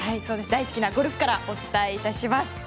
大好きなゴルフからお伝え致します。